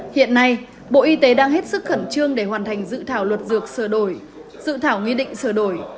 hiện nay bộ y tế đang hết sức khẩn trương để hoàn thành dự thảo luật dược sửa đổi dự thảo nghị định sửa đổi